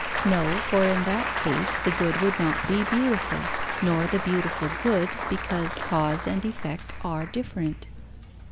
No, for in that case the good would not be beautiful, nor the beautiful good, because cause and effect are different.